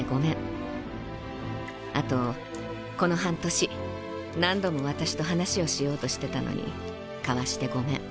あとこの半年何度も私と話をしようとしてたのにかわしてごめん。